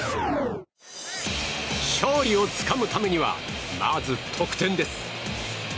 勝利をつかむためにはまず得点です。